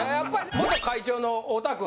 元会長の太田君。